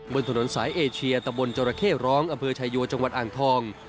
บนถนนสายเอเชียตะบนจรเข้ร้องอำเภอชายโยจังหวัดอ่างทอง